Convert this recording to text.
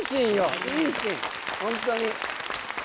本当に。